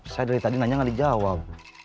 saya dari tadi nanya nggak dijawab